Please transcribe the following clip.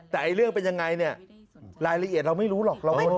แต่เรื่องเป็นยังไงเนี่ยรายละเอียดเราไม่รู้หรอก